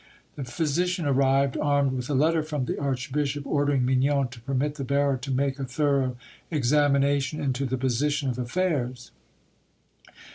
The physician arrived, armed with a letter from the archbishop, ordering Mignon to permit the bearer to make a thorough examination into the position of affairs.